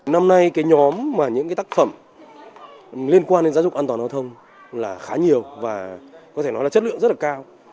năm nay cái nhóm mà những cái tác phẩm liên quan đến giáo dục an toàn giao thông là khá nhiều và có thể nói là chất lượng rất là cao